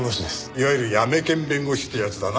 いわゆるヤメ検弁護士ってやつだな。